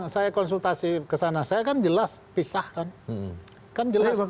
saya konsultasi ke sana saya kan jelas pisah kan jelas